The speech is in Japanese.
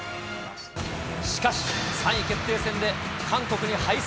しかし３位決定戦で韓国に敗戦。